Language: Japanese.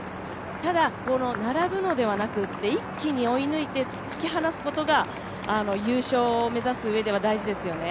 ただ並ぶのではなくて一気に追い抜いて突き放すことが優勝を目指すうえでは、大事ですよね。